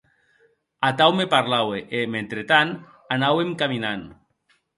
Atau me parlaue e, mentretant, anàuem caminant.